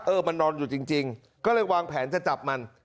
มันนอนอยู่จริงก็เลยวางแผนจะจับมัน